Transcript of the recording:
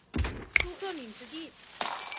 朱克敏之弟。